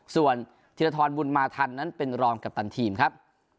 ส่วนทิริฐรทรบุญมาทันเป็นรองกัปตันทีมครับ